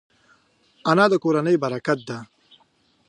انا د کورنۍ برکت ده